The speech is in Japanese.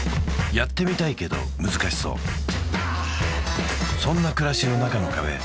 やってみたいけど難しそうそんな暮らしの中の壁